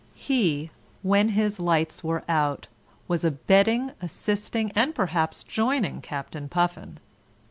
He, when his lights were out, was abetting, assisting and perhaps joining Captain Puffin.